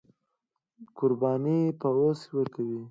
قرباني به اوس ورکوي.